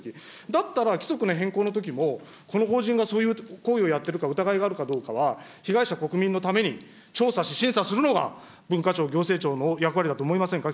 だったら、規則の変更のときも、この法人がそういう行為をやってるか、疑いがあるかどうかは、被害者、国民のために調査し審査するのが文化庁、行政庁の役割だと思いませんか。